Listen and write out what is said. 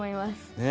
ねえ。